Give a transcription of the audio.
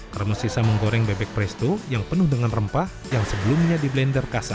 termasih sama goreng bebek presto yang penuh dengan rempah yang sebelumnya di blender kasar